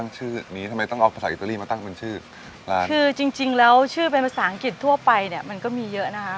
คือจริงแล้วชื่อแปลว่าภาษาอังกฤษทั่วไปเนี่ยมันก็มีเยอะนะครับ